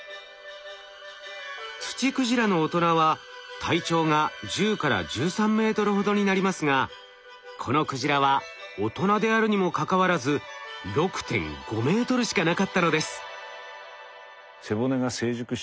ツチクジラの大人は体長が１０１３ｍほどになりますがこのクジラは大人であるにもかかわらず６．５ｍしかなかったのです。